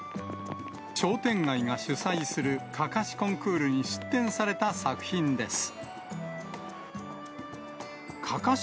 商店街が主催するかかしコンクールに出展された作品です。